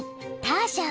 ・ターシャ。